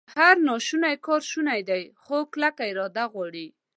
هر ناشونی کار شونی دی، خو کلکه اراده غواړي